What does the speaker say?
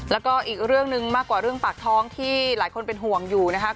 แล้วก็อีกเรื่องหนึ่งมากกว่าเรื่องปากท้องที่หลายคนเป็นห่วงอยู่นะครับ